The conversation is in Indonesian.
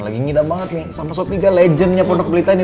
lagi ngida banget nih sama sop iga legendnya pondok pelita ini